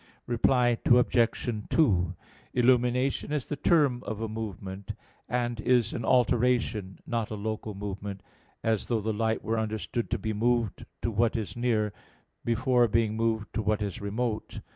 Reply Obj. 2: Illumination is the term of a movement; and is an alteration, not a local movement, as though the light were understood to be moved to what is near, before being moved to what is remote.